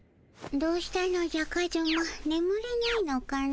どうしたのじゃカズマねむれないのかの？